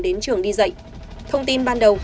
đến trường đi dạy thông tin ban đầu